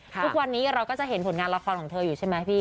ทุกวันนี้เราก็จะเห็นผลงานละครของเธออยู่ใช่ไหมพี่